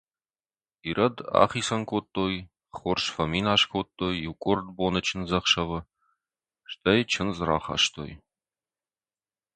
Ирӕд ахицӕн кодтой, хорз фӕминас кодтой иукъорд боны чындзӕхсӕвы, стӕй чындз рахастой.